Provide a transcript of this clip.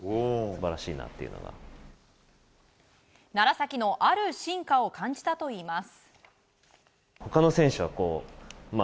楢崎のある進化を感じたといいます。